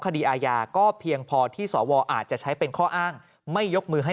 คดีอาญาก็เพียงพอที่สวอาจจะใช้เป็นข้ออ้างไม่ยกมือให้